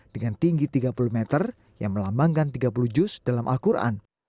dengan tinggi tiga puluh meter yang melambangkan tiga puluh juz dalam al quran